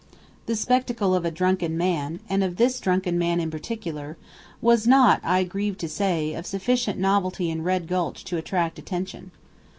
The spectacle of a drunken man, and of this drunken man in particular, was not, I grieve to say, of sufficient novelty in Red Gulch to attract attention.